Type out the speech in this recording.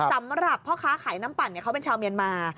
สำหรับพ่อค้าขายน้ำปั่นเขาเป็นชาวเมียนมา